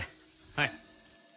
はい。